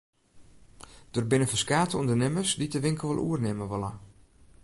Der binne ferskate ûndernimmers dy't de winkel wol oernimme wolle.